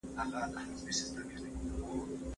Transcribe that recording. ډیپلوماټانو د هیواد ملي حاکمیت ساته.